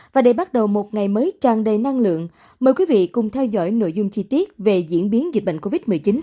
và để bắt đầu một ngày mới tràn đầy năng lượng mời quý vị cùng theo dõi nội dung chi tiết về diễn biến dịch bệnh covid một mươi chín